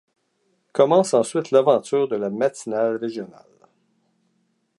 Commence ensuite l'aventure de la matinale régionale.